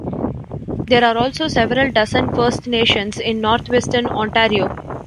There are also several dozen First Nations in Northwestern Ontario.